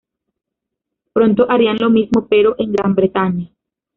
Pronto harían lo mismo, pero en Gran Bretaña.